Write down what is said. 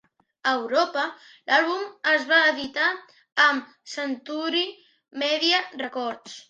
A Europa, l'àlbum es va editar amb Century Media Records.